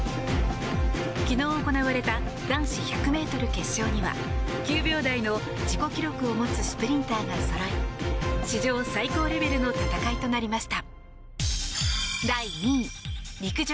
昨日、行われた男子１００ｍ決勝には９秒台の自己記録を持つスプリンターがそろい史上最高レベルの戦いとなりました。